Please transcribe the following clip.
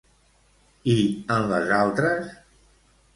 I en les altres?